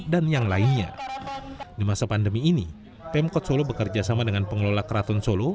di masa pandemi ini pemkot solo bekerjasama dengan pengelola keraton solo